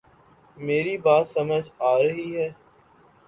میری بات سمجھ آ رہی ہے